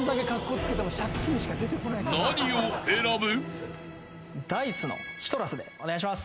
［何を選ぶ？］